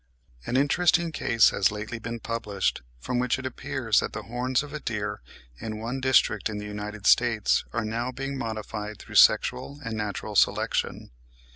An interesting case has lately been published, from which it appears that the horns of a deer in one district in the United States are now being modified through sexual and natural selection.